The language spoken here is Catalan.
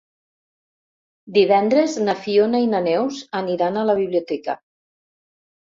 Divendres na Fiona i na Neus aniran a la biblioteca.